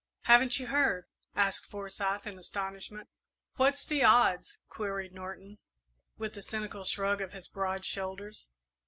"Haven't you heard?" asked Forsyth, in astonishment. "What's the odds?" queried Norton, with a cynical shrug of his broad shoulders.